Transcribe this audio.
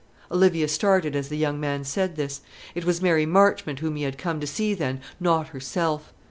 Olivia started as the young man said this. It was Mary Marchmont whom he had come to see, then not herself.